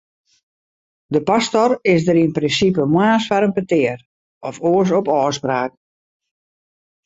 De pastor is der yn prinsipe moarns foar in petear, of oars op ôfspraak.